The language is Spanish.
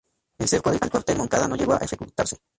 El cerco al cuartel Moncada no llegó a efectuarse.